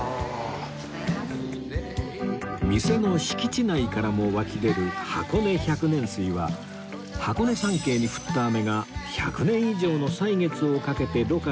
店の敷地内からも湧き出る箱根百年水は箱根山系に降った雨が１００年以上の歳月をかけて濾過された名水